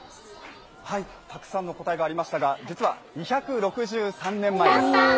たくさんの答えがありましたが、実は２６３年前です。